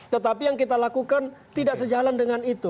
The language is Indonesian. tetapi yang kita lakukan tidak sejalan dengan itu